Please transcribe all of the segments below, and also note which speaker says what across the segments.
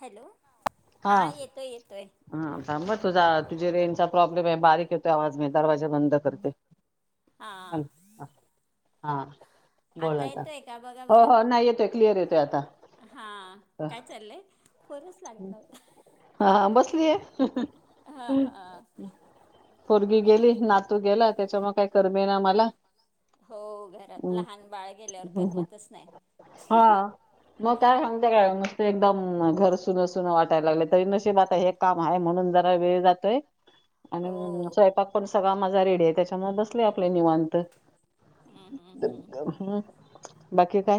Speaker 1: Hello हा येतोय येतोय
Speaker 2: हा थांब तुझा तुझे रेंचा प्रॉब्लेम आहे बारीक येतो आवाज म दरवाजा बंद करते
Speaker 1: हा [unintelligible]
Speaker 2: हा
Speaker 1: आता
Speaker 2: बोलाता
Speaker 1: येतोय का बघा
Speaker 2: हो
Speaker 1: बरं
Speaker 2: हो नाही येतोय क्लिअर येतोय आता
Speaker 1: हा काय चाललंय फोनच लागत नव्हता
Speaker 2: हा बसलीय
Speaker 1: हा हा
Speaker 2: पोरगी गेली नातू गेला त्याच्या मग काय करमीे ना मला
Speaker 1: हो घरात लहान बाळ गेल्यावर करमतच नाही
Speaker 2: हा. मग काय सांगते काय नुसत एकदम घर सुन सुनं वाटायला लागले तरी नशिब आता हे काम आहे म्हणून जरा वेळ जातोय
Speaker 1: हो
Speaker 2: आणि स्वयंपाक पण सगळा माझा रेडी आहे त्याच्यामु बसले आपले निवांत
Speaker 1: हम्म हम्म हम्म
Speaker 2: हम् बाकी काय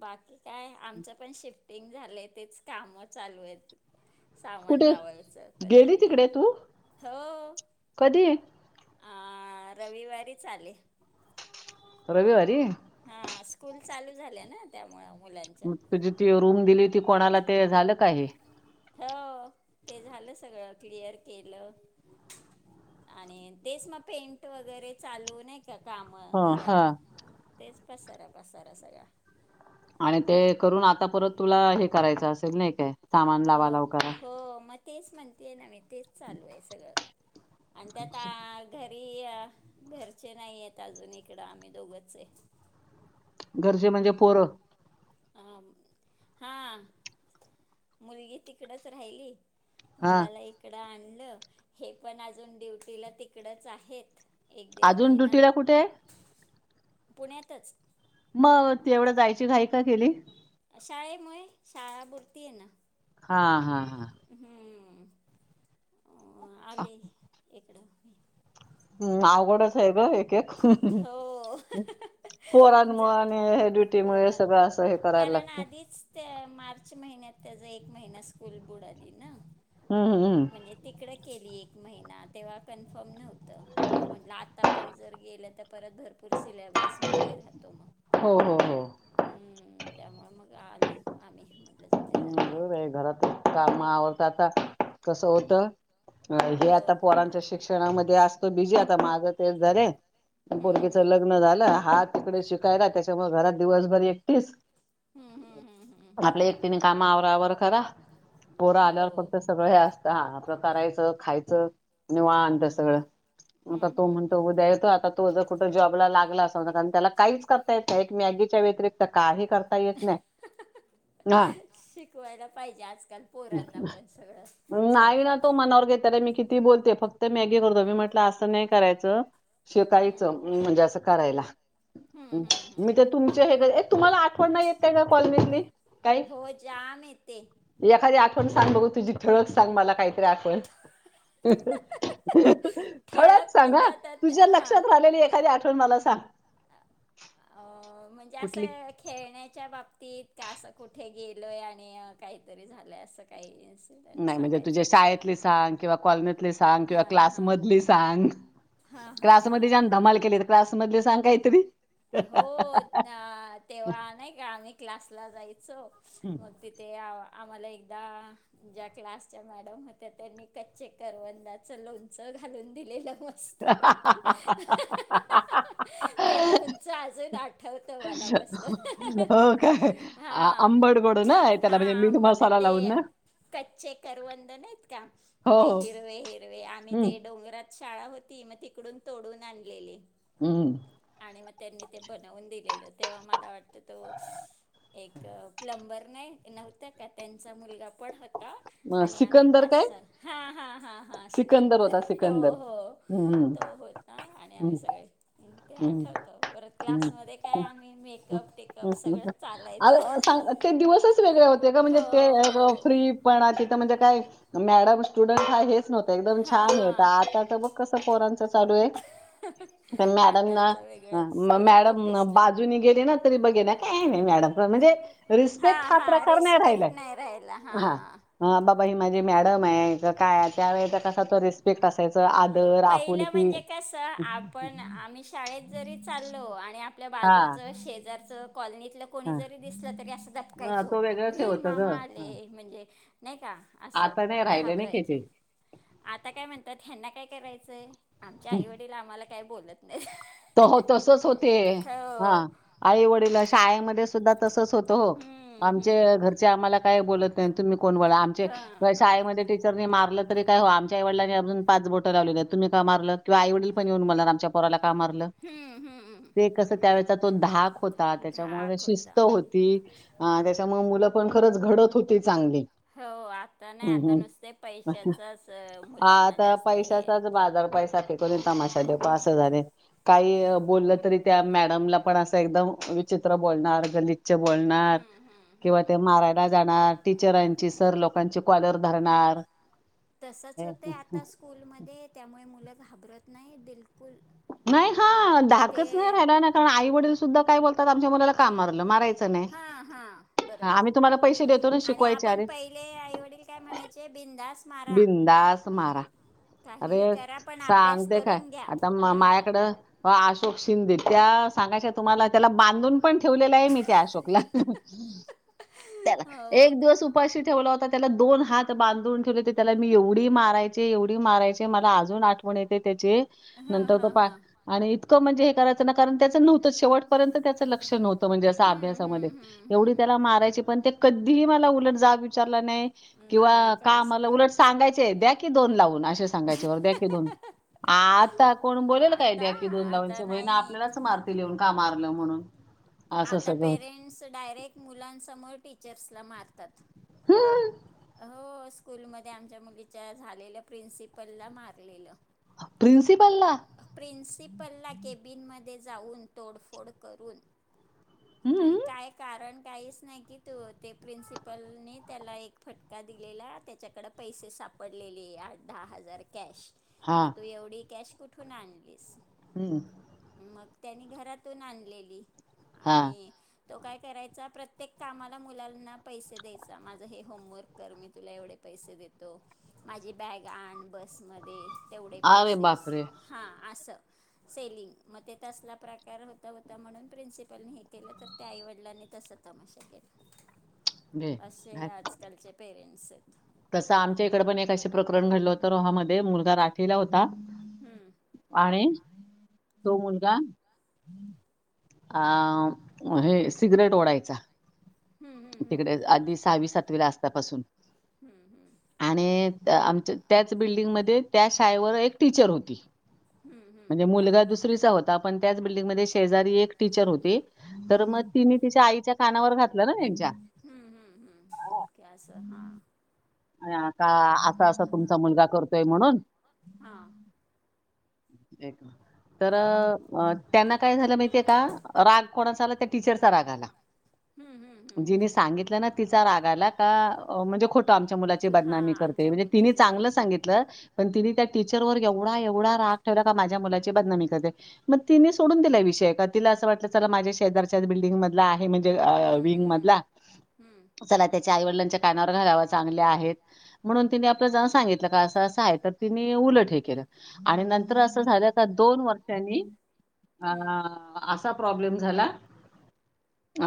Speaker 1: बाकी काय आमचं पण शिफ्टिंग झालं आहे तेच कामं चालू आहेत तर सामान
Speaker 2: कुठे
Speaker 1: लावायचं
Speaker 2: गेली
Speaker 1: कलरिंग
Speaker 2: तिकडे तू?
Speaker 1: हो
Speaker 2: कधी
Speaker 1: अ रविवारी चाले
Speaker 2: रविवारी
Speaker 1: हा स्कूल चालू झाल्या ना त्यामुळे
Speaker 2: मग तुझी ती रूम दिली होती कोणाला ते झालं काय
Speaker 1: हो ते झालं सगळं क्लिअर केलं आणि तेच मग पेंट वगैरे चालू नाही का काम
Speaker 2: हा
Speaker 1: घरात तेच पसारा पसारा सगळा
Speaker 2: आणि ते करून आता परत तुला हे करायचं असेल नाही काय सामान
Speaker 1: हो
Speaker 2: लावा लाव करा
Speaker 1: हो म तेच म्हणते आहे ना मी तेच चालू आहे सगळं आणि त्यात घरी घरचे नाही आहेतेत अजून इकडं आम्ही दोघंचचे
Speaker 2: घरचे म्हणजे पोरं
Speaker 1: अ हा मुलगी तिकडच राहिली
Speaker 2: हा
Speaker 1: मुलाला इकडं आणलं हे पण अजून ड्युटीला तिकडंच आहेत एक दीड
Speaker 2: अजून
Speaker 1: महिना
Speaker 2: ड्युटीला कुठे आहे?
Speaker 1: पुण्यातच
Speaker 2: मग ते तेवढं जायची घाई का केली
Speaker 1: शाळेमुळेै शाळा भरती येना
Speaker 2: हा हा हा
Speaker 1: आले इकडं
Speaker 2: हम् आव गोडं साहेब एक एक
Speaker 1: हो
Speaker 2: कोरन मळ
Speaker 1: ज
Speaker 2: आणि हे द मुळे
Speaker 1: पोरण
Speaker 2: सगळं असं हे करायला
Speaker 1: कारण
Speaker 2: लागत
Speaker 1: आधीच त्या मार्च महिन्यात त्याचा एक महिना स्कूल बुड आली ना
Speaker 2: हम्मम
Speaker 1: म्हणजे तिकडं केली एक महिना तेव्हा कन्फर्म नव्हतं मग म्हटलं आता पण जर गेलं तर परत भरपूर सिलेबस मागे राहतो मग
Speaker 2: हो हो हो
Speaker 1: हम् त्यामुळे मग आलू आम्ही म्हण ह
Speaker 2: घरातच काम आवडत आता कस होत हे
Speaker 1: हो
Speaker 2: आता पोरांच्या शिक्षणामध्ये असतो बिजी आता माझं ते जरे
Speaker 1: हम्म
Speaker 2: बोरगीचं लग्न झालं हा तिकडे शिकायला त्याच्यामु घरात दिवसभर एकटीस
Speaker 1: हम्म हम्म हम्म हम्म हम्म
Speaker 2: आपले
Speaker 1: हम्म
Speaker 2: एक तिने काम आववर खरा पोरा
Speaker 1: हो
Speaker 2: आल्यावर फक्त सगळ हे अस हा आपलं करायचं खायचं आणि वा आणत सगळं आता
Speaker 1: हम्म
Speaker 2: तो
Speaker 1: हम्म
Speaker 2: म्हणतो
Speaker 1: हम्म.
Speaker 2: उद्या येतो आता तो जर कुठं जॉबला लागला असा होता कारण त्याला काहीच का य एक मॅगीच्या व्यतिरिक्त काही करता येत नाही ह
Speaker 1: शिकवायला पाहिजे आजकाल पोरांना पण सगळं
Speaker 2: म् नाहीय ना
Speaker 1: स्वयंपाक
Speaker 2: तो मनवर्गेते मी कि ती बोलते फक्त मॅगी करतो मी म्हटलं असं नाही करायचं
Speaker 1: हम्म
Speaker 2: शिकायचं म्हणजे अस करायला
Speaker 1: हम्म हम्म
Speaker 2: मी
Speaker 1: हम्म.
Speaker 2: तर तुमच हे तुम्हाला आठवण येत त्या का कॉलनीतली काय
Speaker 1: होजामित ते
Speaker 2: एखादी आठवण सांग बघू तुझी ठळक सांग मला काहीतरी आठवण थडच
Speaker 1: ठळक म्हणजे
Speaker 2: सांगा
Speaker 1: आता त्या-
Speaker 2: तुझ्या लक्षात राहिलेली एखादी आठवण मला सांग
Speaker 1: अ म्हणजे
Speaker 2: कुठली
Speaker 1: असं खेळण्याच्या बाबतीत का असं कुठे गेलय आणि काहीतरी झालंय असं काही इन्सिडेंट
Speaker 2: नाही म्हणजे तुझ्या
Speaker 1: सांगायचंय
Speaker 2: शाळेतली सांग किंवा कॉलनेतली सांग
Speaker 1: हा
Speaker 2: किंवा
Speaker 1: हा
Speaker 2: क्लासमधली सांग
Speaker 1: हा हा
Speaker 2: क्लासमध्ये
Speaker 1: हा
Speaker 2: जन धमाल केले क्लास मधले सांग काय तरी
Speaker 1: हो तेव्हा नाही का आम्ही क्लासला जायचो मग ति ते... आ... आम्हाला एकदा ज्या क्लासच्या मॅडम होत्या... त्यांनी कच्चे करवंदाचं लोणचं घालून दिलेलं म स्थ पैकी.... हं हं हं हं... ते लोण चं अजून आठवतं मला मस्त...
Speaker 2: हो
Speaker 1: हा हा
Speaker 2: त्यला म्हणजे... मीठ
Speaker 1: आंब
Speaker 2: मसाला
Speaker 1: ते
Speaker 2: लावून ना?
Speaker 1: कच्चे करवंद नाहीत का...
Speaker 2: हो
Speaker 1: ते
Speaker 2: हो
Speaker 1: हिरवे हिरवे... आम्ही
Speaker 2: हम्म,
Speaker 1: ते डोंगरात शाळा होती... मग तिकडून, तोडून आणलेले
Speaker 2: हूं
Speaker 1: आणि मग... त्यांनी ते बनवून दिलेलं... तेव्हा मला वाट तर तो... एक... प्लंबर न्हाई... नव्हता का... त्यांचा मुलगा पण हो
Speaker 2: मग
Speaker 1: आणि आम्ही
Speaker 2: सिकंदर
Speaker 1: पाच
Speaker 2: काय
Speaker 1: सा... हा हा हा हा.. सिकंदर...
Speaker 2: होता
Speaker 1: हो
Speaker 2: सिकंदर
Speaker 1: हो
Speaker 2: हम्म
Speaker 1: तो होता... आणि आम्ही
Speaker 2: हं,
Speaker 1: सगळे ते
Speaker 2: हं,
Speaker 1: आठवतं... परत
Speaker 2: हं,
Speaker 1: क्लासमध्ये... काय आम्ही... मेकअप टेकअप...
Speaker 2: हं.
Speaker 1: सगळंच
Speaker 2: अरे
Speaker 1: चालायचं
Speaker 2: सांग ते दिवसच वेगळे होते गं... म्हणजे
Speaker 1: हो
Speaker 2: ते
Speaker 1: हो
Speaker 2: फ्री पण... तिथं म्हणजे काय... मॅडम स्टुडंट... हा... हेच नव्हतं एकदम छान होतं...
Speaker 1: हां
Speaker 2: आता तर बघ कसं पोरांचं चालू ए तर मॅडम ना...
Speaker 1: आताचं वेगळंच
Speaker 2: म...
Speaker 1: सगळं
Speaker 2: मॅडम
Speaker 1: प्रोफेशनल
Speaker 2: बाजूनी गेली ना तरी बघे ना... काय नाई मॅडम पण... म्हणजे रिस्पेक्ट
Speaker 1: हां
Speaker 2: हा
Speaker 1: हां
Speaker 2: प्रकार नाई
Speaker 1: रिस्पेक्ट
Speaker 2: राहिलाय...
Speaker 1: नाही राहिला
Speaker 2: हा
Speaker 1: हां
Speaker 2: हा बाबा... ही माझी मॅडम ए... क... काय... त्यावेळेचा कसा तो रिस् स्पेक्ट असायचा... आज
Speaker 1: पहिलं म्हणजे कसं... आपण... आम्ही शाळेत जरी चाललो आणि... आपल्या
Speaker 2: हा
Speaker 1: बाजूचं... शेजारचं... कॉलनीतलं कुणी
Speaker 2: हा
Speaker 1: जरी दिसलं तरी... असं...
Speaker 2: अं,
Speaker 1: दबकायचो...
Speaker 2: तो वेगळंच हे
Speaker 1: ऐ...
Speaker 2: होतं ग
Speaker 1: मामा
Speaker 2: हा.
Speaker 1: आले... म्हणजे नाई का? असं
Speaker 2: आता नाही राहिले नाही की
Speaker 1: घाबरायचे
Speaker 2: ते
Speaker 1: आता काय म्हणतात... ह्यांना काय करायचंय... आमच्या आईवडील आम्हाला काय बोलत नाहीत
Speaker 2: त हो... तसंच होते... हा...
Speaker 1: हो
Speaker 2: आई वडील शाळेमध्ये सुद्धा तसंच होते हो...
Speaker 1: हम्म
Speaker 2: आमचे
Speaker 1: हम्म
Speaker 2: घरचे... आम्हाला काय बोलत नाई... तुम्ही कोण बोलणार... आमचे...
Speaker 1: हां हां
Speaker 2: शाळेमध्ये टीच रने मारलं तरी... काय हो... आमच्या आईवडलाने अजून पाच बोटं लावली नाहीत... तुम्ही का मारलं? किंवा आईवडील पण येऊन बोलणार... आमच्या पोराला का मारलं?
Speaker 1: हम्म हम्म
Speaker 2: ते कसं... त्यावेळेचा... तो धाक होता... त्याच्यामुळे
Speaker 1: धाक
Speaker 2: शिस्त
Speaker 1: होता
Speaker 2: हो ती... अ.. त्याच्यामुळं मुलं पण... खरंच घडत होती चांगली
Speaker 1: हो आता नाही
Speaker 2: हूं
Speaker 1: आता
Speaker 2: हूं....
Speaker 1: नुसते
Speaker 2: आता...
Speaker 1: पैशाचाच मुलांना
Speaker 2: आता
Speaker 1: जास्त हे
Speaker 2: पैशाचाच बाजार... पैसा फेक तमाशा देखो असं झालय... काही... बोललं तरी त्या मॅडमला पण असं एकदम विचित्र बोलणार... गलिच्छ बोलणार...
Speaker 1: हम्म हम्म
Speaker 2: किंवा
Speaker 1: हम्म.
Speaker 2: ते मारा जाणार... टीचरांची... सर लोकांची... कॉलर धरणार
Speaker 1: तसंच होतं... आता स्कूलमध्ये... त्यामुळे मुलं घाबरत नाई बिलकुल
Speaker 2: नाही हा...
Speaker 1: ते
Speaker 2: धाकच नाई राहिला ना... कारण आई वडील सुद्धा काय बोलतात... आमच्या मुलाला का मारलं? मारायचं नाही.
Speaker 1: हा हा... बरोबर...
Speaker 2: आम्ही तुम्हाला पैसे देतो ना
Speaker 1: आणि
Speaker 2: शिकवायचे
Speaker 1: आपण
Speaker 2: अरे
Speaker 1: प पले... आई वडील काय म्हणायचे... बिंधास
Speaker 2: बिंधास मारा
Speaker 1: काहीही
Speaker 2: अरे...
Speaker 1: करा पण अभ्यास
Speaker 2: सांगते काय...
Speaker 1: करून घ्या
Speaker 2: आता म...
Speaker 1: हम्म
Speaker 2: माह्याकडं मग अशोक शिंदे... त्या सांगायच्या... तुम्हाला त्याला बांधून पण ठेवलेले ए... मी त्या अशोकला... त्याला...
Speaker 1: हो.
Speaker 2: एक दिवस पाशी ठेवला होता त्याला... दोन हात बांधून ठेवले ते त्याला मी एवढी मारायचे... एवढी मारायचे... मला अजून आठवण येते त्याची
Speaker 1: हा
Speaker 2: नंतर तर
Speaker 1: हा
Speaker 2: पा...
Speaker 1: हा.
Speaker 2: आणि इतकं... म्हणजे हे करायचं ना... कारण त्याचं नव्हतं शेवटपर्यंत त्याच लक्ष नव्हतं... म्हणजे असं...
Speaker 1: हम्म
Speaker 2: अभ्यासामध्ये...
Speaker 1: हम्म हम्म
Speaker 2: एवढी
Speaker 1: हम्म.
Speaker 2: त्याला मारायची पण ते कधीही... मला उलट जाब विचारला नाई किंवा
Speaker 1: नाही
Speaker 2: का
Speaker 1: काहीच
Speaker 2: मा
Speaker 1: नाही
Speaker 2: उलट सांगायचे... द्या की दोन लावून... असे सांगायचे... वर द्या की दोन आता.. कोण बोलेल काय...
Speaker 1: आता
Speaker 2: द्या की दोन
Speaker 1: आता
Speaker 2: लावून... [unintelligible]
Speaker 1: नाही
Speaker 2: आपल्यालाच मारतील लिहून का मारलं म्हणून? असं
Speaker 1: आता
Speaker 2: सगळं
Speaker 1: पेरेंट्स डायरेक्ट मुलांसमोर टीचर्सला मारतात.
Speaker 2: हम्म.
Speaker 1: हो स्कूलमध्ये आमच्या मुलीच्या झालेल्या प्रिन्सिपलला मारलेलं.
Speaker 2: प्रिन्सिपलला.
Speaker 1: प्रिन्सिपलला केॅबिनमध्ये जाऊन तोडफोड करून.
Speaker 2: हम्म
Speaker 1: आणि काय कारण काहीच नाही की तो ते प्रिन्सिपलने त्याला एक फटका. का दिलेला त्याच्याकड पैसे सापडलेले आठ दहा हजार कॅश.
Speaker 2: हा,
Speaker 1: मग तू एवढी कॅश कुठून आणलीस.
Speaker 2: हम्म.
Speaker 1: मग त्यांनी घरातून आणलेली
Speaker 2: हा.
Speaker 1: आणि तो काय करायचा प्रत्येक कामाला मुलांना पैसे द्यायचा माझं हे होमवर्क. कर मी तुला एवढे पैसे देतो माझी बॅग आण बसमध्ये तेवढे
Speaker 2: अरे
Speaker 1: पैसेस
Speaker 2: बापरे!
Speaker 1: हा असं. सेलिंग मग ते तसला प्रकार होता होता म्हणून प्रिन्सिपलने हे केलं तर. त्या आईवडिलांनी तस तमाशा केला.
Speaker 2: घे.
Speaker 1: असे आजकालचे पेरेंट्स आहेत.
Speaker 2: तसं आमच्या इकडे पण एक असे प्रकरण घडलं होतं रोहामध्ये मुलगा राठीला होता.
Speaker 1: हम्म.
Speaker 2: आणि तो मुलगा. आ हे सिगरेट ओढायचा.
Speaker 1: हम्म हम्म
Speaker 2: तिकडे आधी सहावी सातवी ला असल्या पासून.
Speaker 1: हम्म हम्म. हम्म
Speaker 2: आणि आमच्या त्याच बिल्डिंगमध्ये त्या शाळेवर एक टीचर होती.
Speaker 1: हम्म हम्म
Speaker 2: म्हणजे
Speaker 1: हम्म
Speaker 2: मुलगा दुसरीचा होता पण त्याच बिल्डिंगमध्ये शेजारी एक टीचर होती. तर
Speaker 1: हम्म
Speaker 2: मग तिनी तिच्या आईच्या कानावर घातलं ना.
Speaker 1: हम्म हम्म हम्म क्यास हा.
Speaker 2: अन् का असा असा तुमचा मुलगा करतोय म्हणून.
Speaker 1: हां
Speaker 2: तर त्यांना काय झालं माहितीय का राग कोणाचा आला त्या टीचरचा रागा आला.
Speaker 1: हम् हम्.
Speaker 2: जिने सांगितलं ना तिचा राग आला का म्हणजे खो मुलाची
Speaker 1: हम्म. हा
Speaker 2: बदनामी करते
Speaker 1: आमच्या
Speaker 2: मंजे तिने
Speaker 1: मुलाचे
Speaker 2: चांगलं
Speaker 1: बदनाम.
Speaker 2: सांगितल. पण तिने त्या टीचर वर एवढा एवढा राग ठेवला का माझ्या मुलाची बदनामी कर. मग तिने सोडून दिला विषय का तिला असं वाटलं चला माझ्या शेजारच्या बल्डिंगमध्ये. आहे म्हणजे
Speaker 1: हम्म
Speaker 2: विंग मध
Speaker 1: हम्म हम्म
Speaker 2: चला त्याच्या आई वडिलांच्या कानावर घालाव. चांगल्या आहेत म्हणून तिने आपलं जउन सांगितलं का अस असं आहे तर तिने उलट हे केलं. आणि नंतर असं झालं का दोन वर्षांनी अ
Speaker 1: हम्म
Speaker 2: असा प्रॉब्लेम झाला अ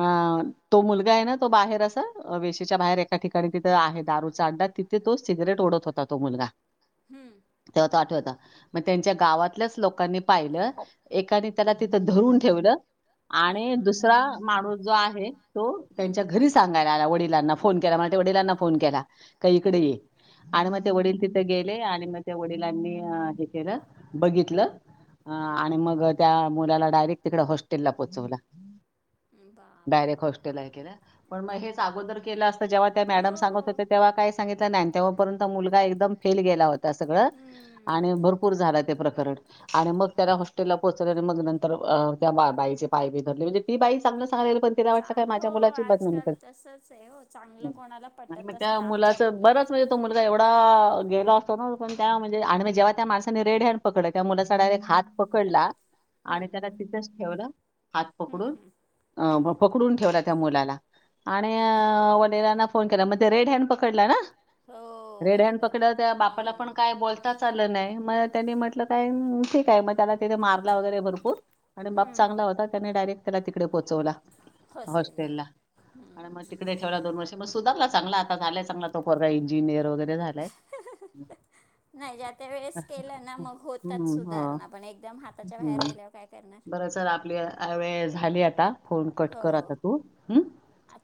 Speaker 2: तो मुलगा आहे ना तो बाहेर असा वेशीच्या बाहेर एका ठिकाणी त दारूचा आडा तिथे तो सिगरेट ओढत होता तो मुलगा.
Speaker 1: हम्म.
Speaker 2: ते होता आठवता. मग त्यांच्या गावातल्याच लोकांनी पाहिलं एकाने त्याला तिथं धरून ठेवलं.
Speaker 1: हम्म
Speaker 2: आणि दुसरा माणूस जो आहे तो
Speaker 1: हम्म
Speaker 2: त्यांच्या घरी सांगायला आला वडिलांना फोन केला म्ह वडिलांना. न केला काही इकडे ये. आणि मग ते वडील तिथे गेले आणि मग त्या वडिलांनी हे केलं. बघितलं. ह
Speaker 1: हम्म
Speaker 2: आणि मग त्या मुलाला डायरेक्ट तिकडे हॉस्टेल ला पोहोचवला.
Speaker 1: हम्म बापरे
Speaker 2: डायरेक्ट हॉस्टेला हे केल् पण मग हेच अगोदर केलं असत जेव्हा त्या
Speaker 1: हो
Speaker 2: मॅडम. सांगत होत्या तेव्हा काय सांगित नाही तेव्हापर्यंत मुलगा एकदम फेल गेला होता सगळं
Speaker 1: हम्म
Speaker 2: आणि भरपूर.
Speaker 1: हम्म.
Speaker 2: पुर झाला ते प्रकरनं आणि मग त्याला हॉस्टेलला पोहोचवल आणि मग न तर त्या बा बाईची पाय बी धरले म्हणजे ती बाई सगेबल
Speaker 1: चांग हो आजकाल तसच आहे हो. चांगलं कोणाला
Speaker 2: आणि मग
Speaker 1: पटतच
Speaker 2: त्या
Speaker 1: नाही. आमच्या
Speaker 2: मुलाचं
Speaker 1: मुलाला
Speaker 2: बरंच म्हणजे तो मुलगा एवढा गेलो असतो ना पण त्या म्हणजे आणि जेव्हा त्या माणसानी रेड हँड पकडलं त्या मुलाचा डायरेक्ट हात पकडला. आणि
Speaker 1: हम्म
Speaker 2: त्याला तिथंच ठेवलं हात
Speaker 1: हम्म
Speaker 2: पकडून
Speaker 1: हम्म
Speaker 2: अ पकडून ठेवला त्या मुलाला आणि
Speaker 1: अच्छा
Speaker 2: वडिलांना फोन केला मग रेड हॅड पकडला ना.
Speaker 1: हो
Speaker 2: रेड हँड
Speaker 1: बरोबर
Speaker 2: पकडल त्या बापाला पण
Speaker 1: हम्म
Speaker 2: काय बोलत चाल नाही मग त्यांनी म्हटलं काय ठीक आहे, मग त्याला तिथे मारला वगैरे भरपूर आणि बाप
Speaker 1: हम्म हम्म.
Speaker 2: चांगला होता त्याने डायरेक्ट त्याला तिकडे पोचवला.
Speaker 1: हॉस्टेलला
Speaker 2: हॉस्टेल ला आणि मग
Speaker 1: हम्म
Speaker 2: तिकडे व दोन वर्षी मग सुधारला चांगला आता झालाय चांगला तो पोरगा इंजिनियर वगैरे झालाय.
Speaker 1: नाही ज्या त्या वेळेस केलं ना मग होतात
Speaker 2: हम्म हो
Speaker 1: सुधारणा, पण एकदम हाताच्या बाहेर
Speaker 2: हम्म
Speaker 1: गेल्यावर काय करणार!
Speaker 2: बरं आपली वेळ झाली आता फोन कट
Speaker 1: हो
Speaker 2: कर आता तू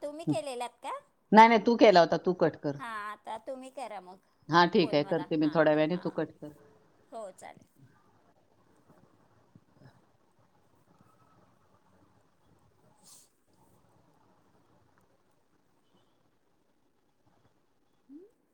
Speaker 1: तुम्ही
Speaker 2: हम्म.
Speaker 1: केलेलात का
Speaker 2: नाही नाही तू केला होता तू
Speaker 1: हा आता तुम्ही करा मग
Speaker 2: हा ठीक
Speaker 1: फोन
Speaker 2: आहे
Speaker 1: मला
Speaker 2: करते मी
Speaker 1: हां
Speaker 2: थोड्या वेळाने तू
Speaker 1: हां
Speaker 2: कट कर.
Speaker 1: हो चालेल. हम्म.